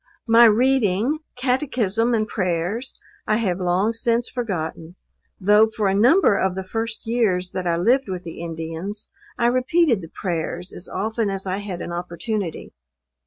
My reading, Catechism and prayers, I have long since forgotten; though for a number of the first years that I lived with the Indians, I repeated the prayers as often as I had an opportunity.